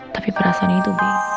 tapi perasaannya itu